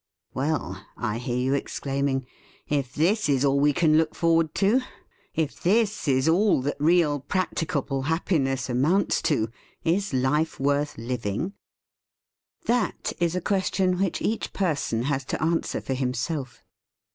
"Well," I hear you exclaiming, "if this is all we can look forward to, if this is all that real, practicable happiness amounts to, is life worth living?" That [ 115 ] THE FEAST OF ST FRIEND is a question which each person has to answer for himself.